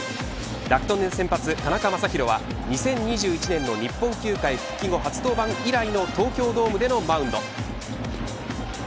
楽天の先発田中将大は２０２１年の日本球界復帰後初登板以来の東京ドームでのマウンド。